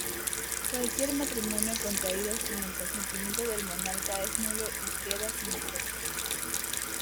Cualquier matrimonio contraído sin el consentimiento del monarca es nulo y queda sin efecto.